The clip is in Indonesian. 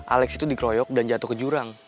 alex itu dikeroyok dan jatuh ke jurang